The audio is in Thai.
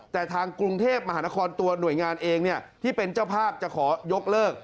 แต่ทางกรุงเทพมหานครตัวหน่วยงานเองที่เป็นเจ้าภาพจะขอยกเลิก